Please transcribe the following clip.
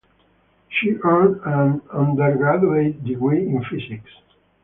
She earned an undergraduate degree in physics.